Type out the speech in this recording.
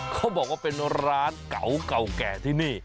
เขาบอกว่าเป็นร้านเก่าเก่าแก่ที่นี่